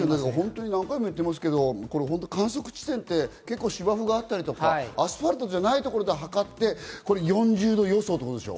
何回も言ってますけど観測地点、結構芝生があったり、アスファルトじゃないところで測って４０度予想。